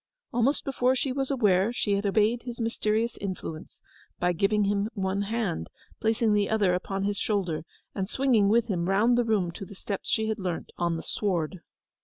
Almost before she was aware she had obeyed his mysterious influence, by giving him one hand, placing the other upon his shoulder, and swinging with him round the room to the steps she had learnt on the sward.